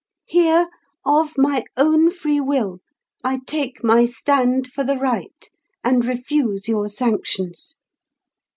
Here, of my own free will, I take my stand for the right, and refuse your sanctions!